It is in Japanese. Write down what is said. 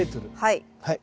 はい。